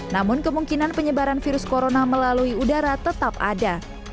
namun kemungkinan penyebaran virus corona melalui udara tetap ada